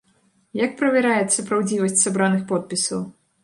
Як правяраецца праўдзівасць сабраных подпісаў?